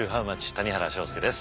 谷原章介です。